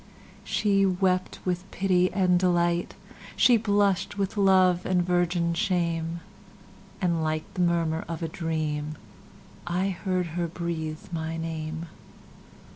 She wept with pity and delight, She blush'd with love and virgin shame; And like the murmur of a dream,I heard her breathe my name.